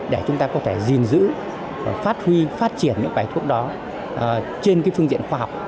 để chúng ta có thể gìn giữ phát huy phát triển những bài thuốc đó trên phương diện khoa học